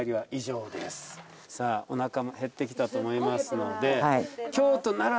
おなかも減ってきたと思いますので。